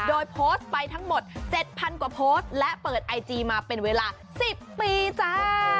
โดยโพสต์ไปทั้งหมด๗๐๐กว่าโพสต์และเปิดไอจีมาเป็นเวลา๑๐ปีจ้า